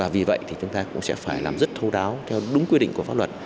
vì vậy chúng ta cũng sẽ phải làm rất thâu đáo theo đúng quy định của pháp luật